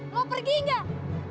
lo pergi nggak